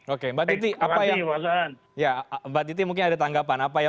oke mbak titi apa yang mbak titi mungkin ada tanggapan apa ya